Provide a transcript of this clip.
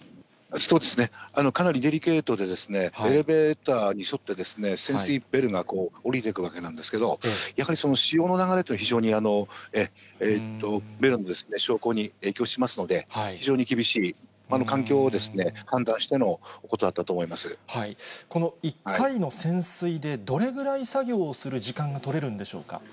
そうですね、かなりデリケートで、エレベーターに沿ってですね、潜水ベルが降りていくわけなんですけれども、やはりその潮の流れというのが、ベルの昇降に影響しますので、非常に厳しい、環境を判断しての１回の潜水で、どれぐらい作業をする時間が取れるんでしょうか。